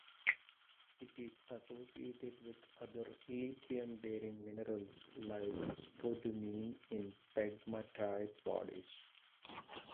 It is associated with other lithium-bearing minerals like spodumene in pegmatite bodies.